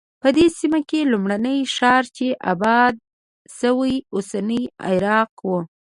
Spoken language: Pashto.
په دې سیمه کې لومړنی ښار چې اباد شو اوسنی عراق و.